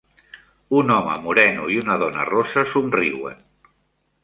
Un home moreno i una dona rossa somriuen.